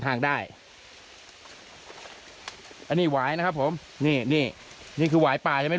ห่างได้อันนี้หวายนะครับผมนี่นี่นี่คือหวายป่าใช่ไหม